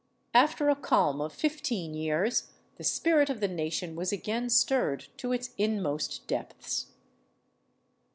After a calm of fifteen years, the spirit of the nation was again stirred to its inmost depths."